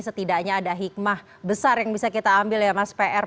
setidaknya ada hikmah besar yang bisa kita ambil ya mas pr